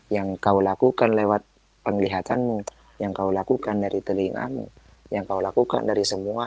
yang kau lakukan lewat penglihatanmu yang kau lakukan dari telingamu yang kau lakukan dari semua